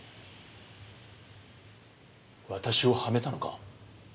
私をはめたのか？